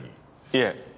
いえ。